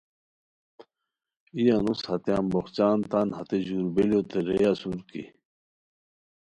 ای انوسو ہتے امبوخچان تان ہتے ژور بیلیوتے رے اسور کی